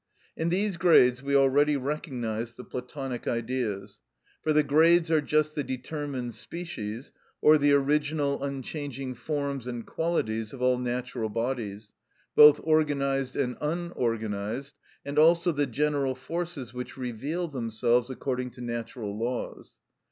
In these grades we already recognised the Platonic Ideas, for the grades are just the determined species, or the original unchanging forms and qualities of all natural bodies, both organised and unorganised, and also the general forces which reveal themselves according to natural laws.